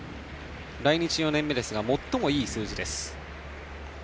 来日４年目ですが最もいい数字。